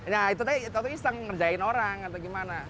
ya itu iseng ngerjain orang atau gimana